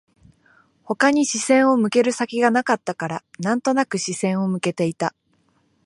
他に視線を向ける先がなかったから、なんとなく視線を向けていた